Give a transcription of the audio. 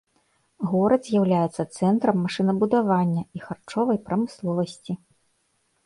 Горад з'яўляецца цэнтрам машынабудавання і харчовай прамысловасці.